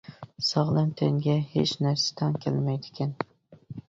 ساغلام تەنگە ھېچ نەرسە تەڭ كەلمەيدىكەن.